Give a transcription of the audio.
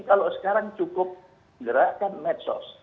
kalau sekarang cukup gerakan medsos